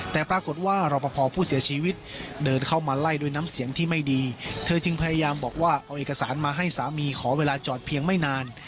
แต่ปรากฏว่ารอปภผู้เสียชีวิตเดินเข้ามาไล่ด้วยน้ำเสียงที่ไม่ดีเธอจึงพยายามบอกว่าเอาเอกสารมาให้สามีขอเวลาจอดเพียงไม่นาน